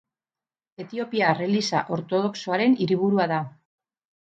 Etiopiar Eliza Ortodoxoaren hiriburua da.